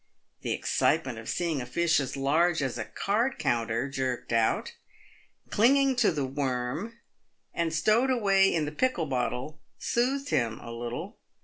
The excitement of seeing a fish as large as a card counter jerked out, clinging to the worm, and stowed away in the pickle bottle, soothed him a little.